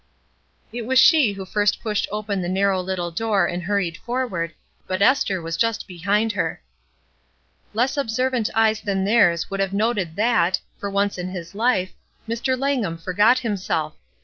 It was she who first pushed open the narrow little door and hurried forward, but Esther was just behind her. Less observant eyes than theirs would have noted that, for once in his life, Mr. Langham for got himself.